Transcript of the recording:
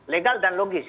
legal dan logis